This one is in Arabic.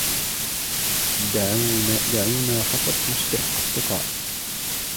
دعونا فقط نصبح أصدقاء.